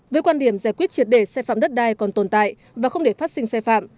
với quan điểm giải quyết triệt đề sai phạm đất đai còn tồn tại và không để phát sinh sai phạm